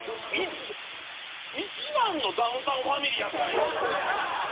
１番のダウンタウンファミリーやからね。